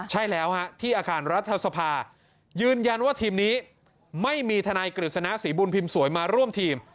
ใช่แล้วฮะที่อาคารรัฐสภายืนยันว่าทีมนี้ไม่มีทนายกฤษณะศรีบุญพิมพ์สวยมาร่วมทีม